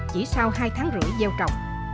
chỉ sau hai tháng rưỡi gieo trồng